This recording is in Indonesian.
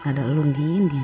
ada elu di indin